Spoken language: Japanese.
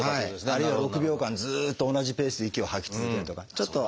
あるいは６秒間ずっと同じペースで息を吐き続けるとかちょっと。